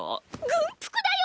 軍服だよ！